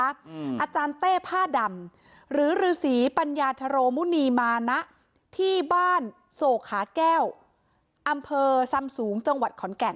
อาจารย์เต้ผ้าดำหรือฤษีปัญญาธโรมุณีมานะที่บ้านโศกขาแก้วอำเภอซำสูงจังหวัดขอนแก่น